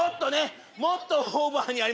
もっとオーバーにやりますね。